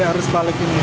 yang harus balik ini